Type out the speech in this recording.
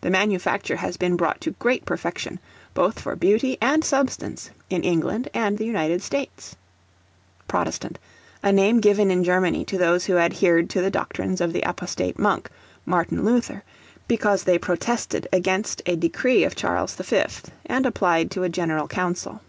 The manufacture has been brought to great perfection, both for beauty and substance, in England and the United States. Protestant, a name given in Germany to those who adhered to the doctrines of the apostate monk, Martin Luther, because they protested against a decree of Charles V. and applied to a general council.